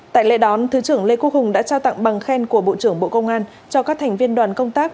tại lễ đón thứ trưởng lê quốc hùng đã trao tặng bằng khen của bộ trưởng bộ công an cho các thành viên đoàn công tác